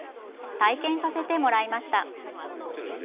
体験させてもらいました。